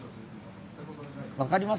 分かります？